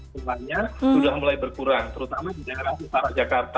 sebenarnya sudah mulai berkurang terutama di daerah kepala jakarta